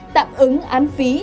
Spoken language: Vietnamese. tạm ứng án phí